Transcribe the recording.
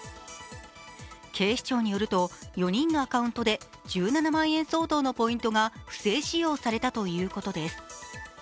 警視庁によると４人のアカウントで１７万円相当のポイントが不正使用されたということです。